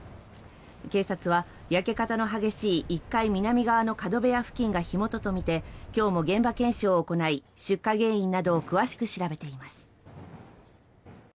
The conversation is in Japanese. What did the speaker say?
警察は、焼け方の激しい１階南側の角部屋付近が火元とみて今日も現場検証を行い出火原因などを詳しく調べています。